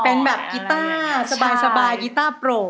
เป็นแบบกีต้าสบายกีต้าโปรด